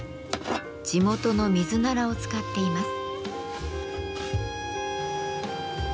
地元のミズナラを使っています。